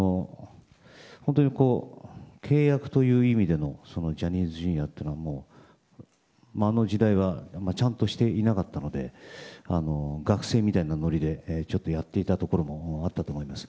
本当に契約という意味でのジャニーズＪｒ．というのはあの時代はちゃんとしていなかったので学生みたいなノリでやっていたところもあったと思います。